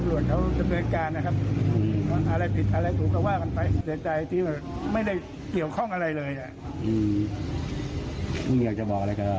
อยากจะบอกอะไรกับอ่ะน้องชายหน่อยไหมครับ